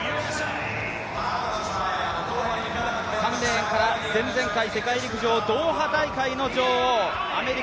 ３レーンから前々回世界陸上ドーハ大会の女王